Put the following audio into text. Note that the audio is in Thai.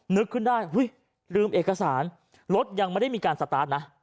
นึกขึ้นได้ลืมเอกสารรถยังไม่ได้มีการสตาร์ทนะ